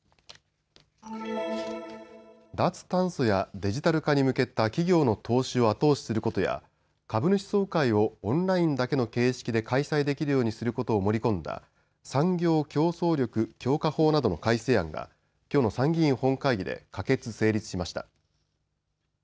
脱炭素やデジタル化に向けた企業の投資を後押しすることや株主総会をオンラインだけの形式で開催できるようにすることを盛り込んだ産業競争力強化法などの改正案がきょうの参議院本会議で可決・成立しました。